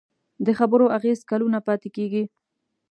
د خبرو اغېز کلونه پاتې کېږي.